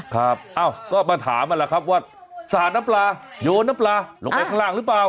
เอ้าก็มาถามนั่นแหละครับว่าสาดน้ำปลาโยนน้ำปลาลงไปข้างล่างหรือเปล่า